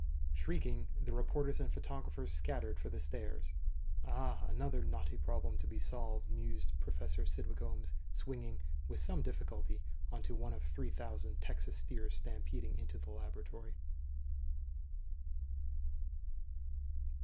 Shrieking, the reporters and photographers scattered for the stairs. Ah, another knotty problem to be solved, mused Professor Cydwick Ohms, swinging, with some difficulty, onto one of three thousand Texas steers stampeding into the laboratory.